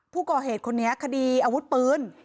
ผู้ก่อเหตุคนนี้คดีอาวุธปืน